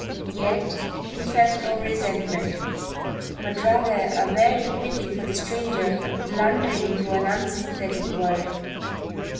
Yet he felt no resentment, but rather a weary pity for the stranger blundering through an unsympathetic world.